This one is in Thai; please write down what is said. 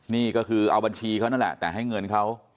นี่ก็คือเอาบัญชีเขานั่นแหละแต่ให้เงินเขา